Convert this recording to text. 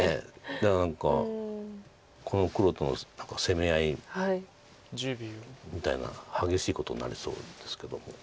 だから何かこの黒との攻め合いみたいな激しいことになりそうですけども。